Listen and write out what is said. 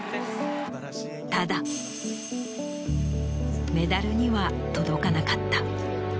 ただメダルには届かなかった。